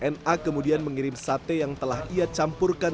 na kemudian mengirim sate yang telah ia campurkan